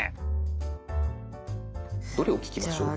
どれを聴きましょう？